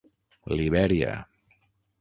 Libèria.